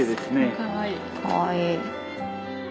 かわいい。